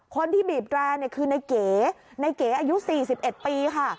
บีบแร่คือในเก๋ในเก๋อายุ๔๑ปีค่ะ